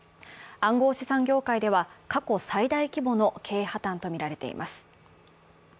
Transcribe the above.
暗号資産業界では過去最大規模の経営破綻とみられています。